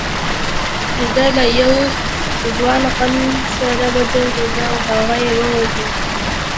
سید له یو ځوان غل سره وجنګیده او هغه یې وواژه.